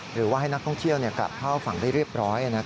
หรือว่าให้นักท่องเที่ยวกลับเข้าฝั่งได้เรียบร้อย